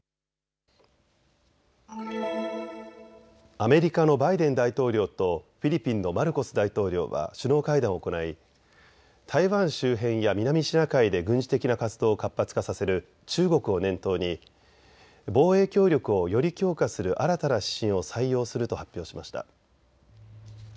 アメリカのバイデン大統領とフィリピンのマルコス大統領は首脳会談を行い台湾周辺や南シナ海で軍事的な活動を活発化させる中国を念頭に防衛協力をより強化する新たな指針を採用すると発表しました。